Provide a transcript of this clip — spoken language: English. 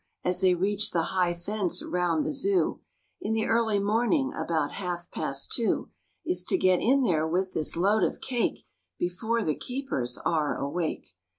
As they reached the high fence round the Zoo, In the early morning, about half past two, "Is to get in there with this load of cake ^ Before the keepers are wide awake."